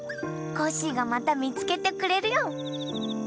コッシーがまたみつけてくれるよ。